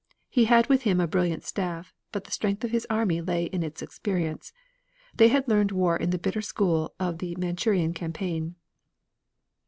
He had with him a brilliant staff, but the strength of his army lay in its experience. They had learned war in the bitter school of the Manchurian campaign.